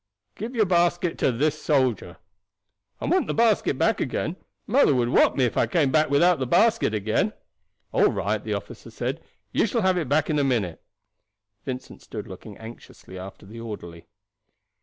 "Give your basket to this soldier." "I want the basket back again. Mother would whop me if I came back without the basket again." "All right," the officer said; "you shall have it back in a minute." Vincent stood looking anxiously after the orderly.